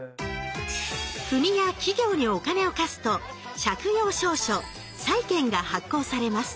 国や企業にお金を貸すと借用証書「債券」が発行されます。